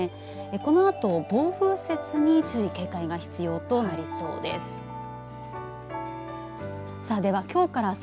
このあと暴風雪に注意警戒が必要となりそうです。